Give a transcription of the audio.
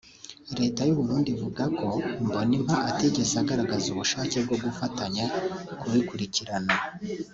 Leta y’u Burundi ivuga ko Mbonimpa atigeze agaragaza ubushake bwo gufatanya kubikurikirana